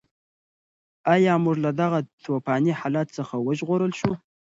ایا موږ له دغه توپاني حالت څخه وژغورل شوو؟